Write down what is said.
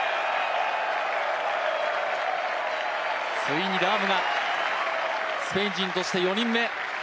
ついにラームが、スペイン人として４人目。